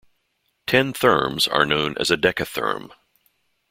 Ten therms are known as a decatherm.